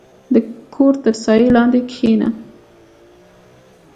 • د کور تر سایې لاندې کښېنه.